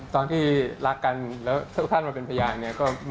ตอนที่รักกันแล้วเท่าข้างมาเป็นพยายนี่